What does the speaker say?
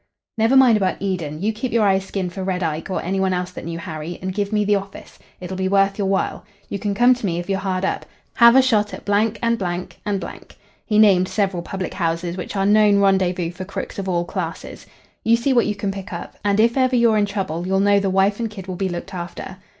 "Never mind about Eden. You keep your eyes skinned for Red Ike, or any one else that knew Harry, and give me the office. It'll be worth your while. You can come to me if you're hard up. Have a shot at and and " He named several public houses which are known rendezvous for crooks of all classes. "You see what you can pick up. And if ever you're in trouble, you'll know the wife and kid will be looked after."